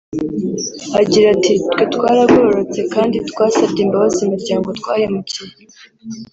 Agira ati “Twe twaragororotse kandi twasabye imbabazi imiryango twahemukiye